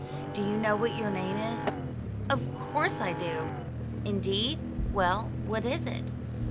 "Do you know what your name is?" "Of course I do." "Indeed? Well, what is it?"